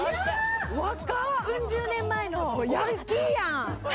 ウン十年前のもうヤンキーやん